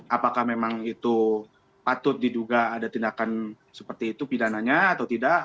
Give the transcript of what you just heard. apakah memang itu patut diduga ada tindakan seperti itu pidananya atau tidak